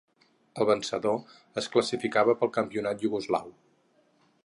El vencedor es classificava pel campionat iugoslau.